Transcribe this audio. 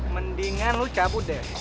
mendingan lu campur deh